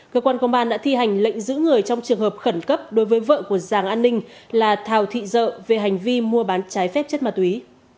cơ quan công an đã thi hành lệnh giữ người trong trường hợp khẩn cấp đối với vợ của giàng an ninh là thảo thị dợ về hành vi mua bán trái phép chất ma túy